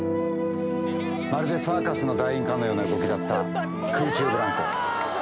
まるでサーカスの団員かのような動きだった空中ブランコ。